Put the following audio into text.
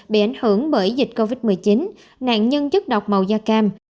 bị ảnh hưởng bởi dịch covid một mươi chín nạn nhân chất độc màu da cam